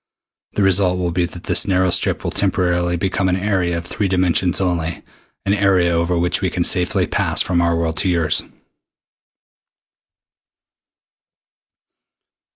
The result will be that this narrow strip will temporarily become an area of three dimensions only, an area over which we can safely pass from our world to yours."